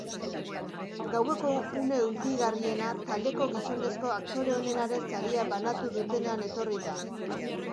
Gaueko une hunkigarriena taldeko gizonezko aktore onenaren saria banatu dutenean etorri da.